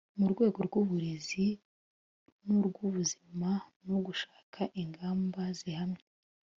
mu rwego rw'uburezi n'urw'ubuzima no gushaka ingamba zihamye